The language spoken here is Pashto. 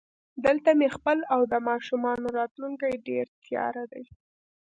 دلته مې خپل او د ماشومانو راتلونکی ډېر تیاره دی